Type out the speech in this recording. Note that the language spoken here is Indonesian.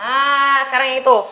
nah sekarang yang itu